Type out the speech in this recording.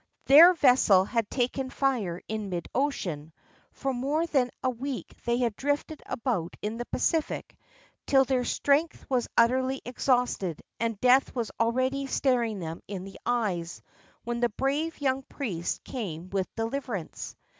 Their vessel had taken fire in mid ocean ; for more than a week they had drifted about in the Pacific till their strength was utterly exhausted; and death was already staring them in the eyes when the brave young priest came with deliverance.